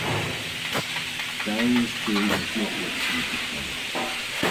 Darius's tomb has not yet been discovered.